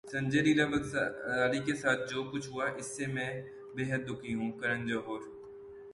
سنجے لیلا بھنسالی کے ساتھ جو کچھ ہوا اس سے میں بیحد دکھی ہوں: کرن جوہر